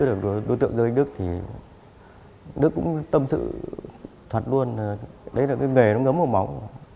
sau khi bắt giữ được đối tượng dương anh đức đức cũng tâm sự thật luôn đấy là cái nghề nó ngấm vào máu